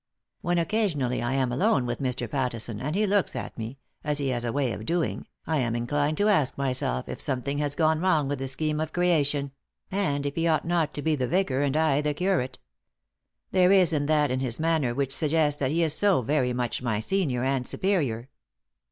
When, occasionally, I am alone with Mr. Pattison, and he looks at me, as he has a way of doing, I am inclined to ask myself if something has gone wrong with the scheme of creation ; and if he ought not to be the vicar and I the curate. There is that in his manner which suggests that he is so very much my senior and superior."